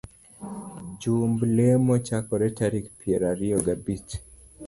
Jumb lemo chakore tarik piero ariyo gabich